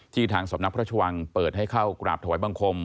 ทางสำนักพระชวังเปิดให้เข้ากราบถวายบังคม